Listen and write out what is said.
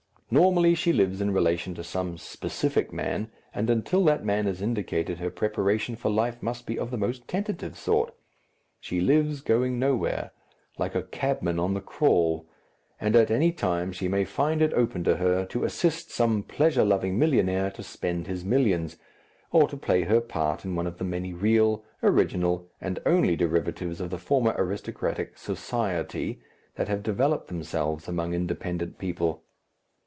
Normally she lives in relation to some specific man, and until that man is indicated her preparation for life must be of the most tentative sort. She lives, going nowhere, like a cabman on the crawl, and at any time she may find it open to her to assist some pleasure loving millionaire to spend his millions, or to play her part in one of the many real, original, and only derivatives of the former aristocratic "Society" that have developed themselves among independent people.